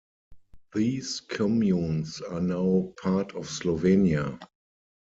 These communes are now part of Slovenia.